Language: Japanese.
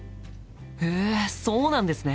へえそうなんですね。